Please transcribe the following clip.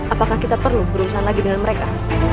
apakah kita perlu berurusan lagi dengan mereka